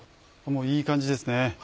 もういい感じですね。